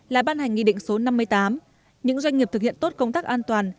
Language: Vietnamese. là ban hành nghị định số năm mươi tám những doanh nghiệp thực hiện tốt công tác an toàn